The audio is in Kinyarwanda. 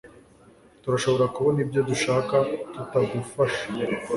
turashobora kubona ibyo dushaka tutagufasha